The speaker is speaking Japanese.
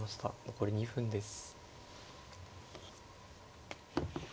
残り２分です。